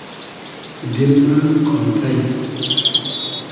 دیل مۂ کۉنتݷ